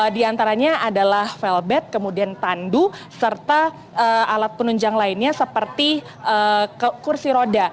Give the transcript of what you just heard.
di antaranya adalah felbet kemudian tandu serta alat penunjang lainnya seperti kursi roda